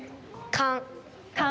かん。